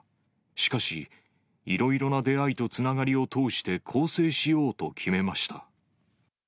しかし、いろいろな出会いとつながりを通して更生しようと決めました。